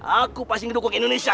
aku pasti mendukung indonesia